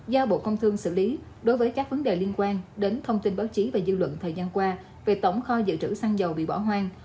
do bộ công thương xử lý đối với các vấn đề liên quan đến thông tin báo chí và dư luận thời gian qua về tổng kho dự trữ xăng dầu bị bỏ hoang